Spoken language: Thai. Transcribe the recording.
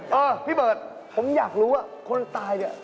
เออพี่เบิร์ตผมอยากรู้ว่าคนตายเนี่ย